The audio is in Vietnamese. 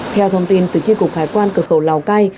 theo thông tin từ tri cục hải quan cửa khẩu lào cai